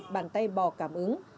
bàn tay bò cảm ứng